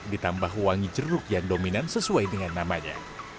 ditambah wangi jeruk yang dominan sesuai dengan namanya